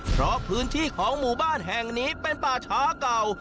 เพราะพื้นที่ของหมู่บ้านแห่งนี้เป็นป่าช้าเก่า